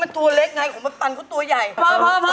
พอขอบคุณกับนักการประการครับ